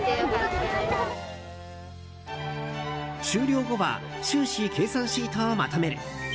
終了後は収支計算シートをまとめる。